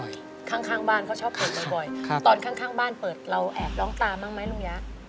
ข้างข้างบ้านเขาชอบเปิดบ่อยตอนข้างบ้านเปิดเราแอบร้องตามบ้างไหมลุงยะ